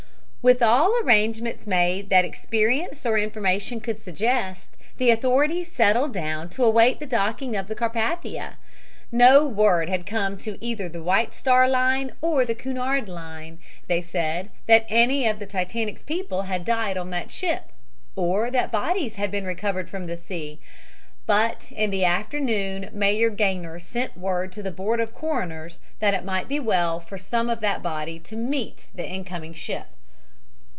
With all arrangements made that experience or information could suggest, the authorities settled down to await the docking of the Carpathia. No word had come to either the White Star Line or the Cunard Line, they said, that any of the Titanic's people had died on that ship or that bodies had been recovered from the sea, but in the afternoon Mayor Gaynor sent word to the Board of Coroners that it might be well for some of that body to meet the incoming ship.